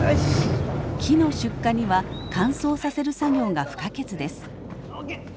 木の出荷には乾燥させる作業が不可欠です。